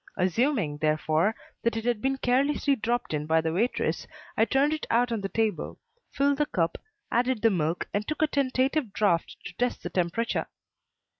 Assuming, therefore, that it had been carelessly dropped in by the waitress, I turned it out on the table, filled the cup, added the milk, and took a tentative draught to test the temperature.